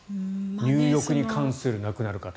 入浴に関する亡くなる方。